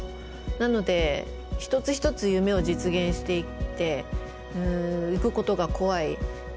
なので一つ一つ夢を実現していっていくことが怖い。